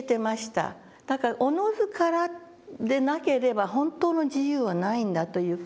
だから自ずからでなければ本当の自由はないんだという事。